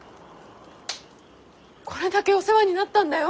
これだけお世話になったんだよ！